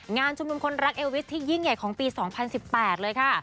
งานชุมนุมคนรักเอวิสที่ยิ่งใหญ่ของปี๒๐๑๘เลยค่ะ